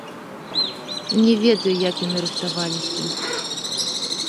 Не ведаю, як яны рыхтаваліся.